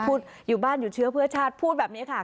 อยู่บ้านอยู่เชื้อเพื่อชาติพูดแบบนี้ค่ะ